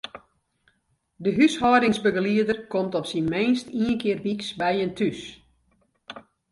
De húshâldingsbegelieder komt op syn minst ien kear wyks by jin thús.